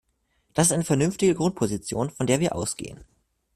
Das ist eine vernünftige Grundposition, von der wir ausgehen.